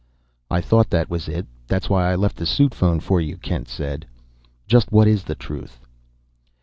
"I thought that was it, and that's why I left the suit phone for you," Kent said. "Just what is the truth?"